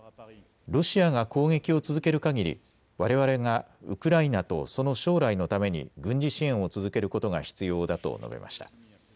ロシアが攻撃を続けるかぎりわれわれがウクライナとその将来のために軍事支援を続けることが必要だと述べました。